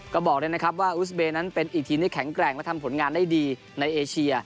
ก็บอกเลยนะครับว่าอุสเบย์นั้นเป็นอีกทีมที่แข็งแกร่งและทำผลงานได้ดีในเอเชีย